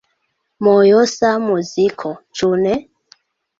Mojosa muziko, ĉu ne?